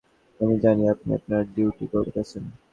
আমি জানি আপনি আপনার ডিউটি করতেছেন।